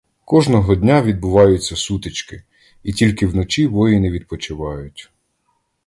Кожного дня відбуваються сутички, і тільки вночі воїни відпочивають.